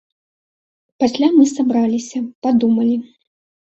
Пасля мы сабраліся падумалі.